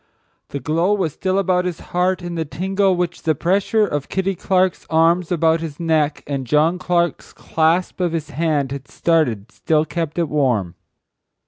The glow was still about his heart and the tingle which the pressure of Kitty Clark's arms about his neck, and John Clark's clasp of his hand had started still kept it warm.